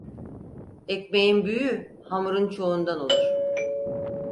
Ekmeğin büyüğü, hamurun çoğundan olur.